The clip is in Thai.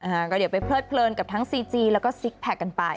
อ่าก็อย่าไปเพลิดเพลินกับทั้งซีจีแล้วก็ซิกแพคกันไป